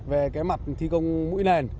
về mặt thi công mũi nền